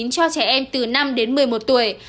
cho trẻ em từ năm đến một mươi một tuổi